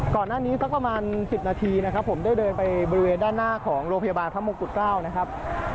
สักประมาณ๑๐นาทีนะครับผมได้เดินไปบริเวณด้านหน้าของโรงพยาบาลพระมงกุฎเกล้านะครับ